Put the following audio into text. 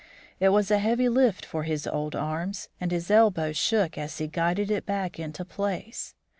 It was a heavy lift for his old arms, and his elbows shook as he guided it back into place.